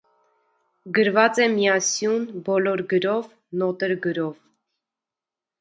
Գրված է միասյուն բոլորգրով, նոտրգրով։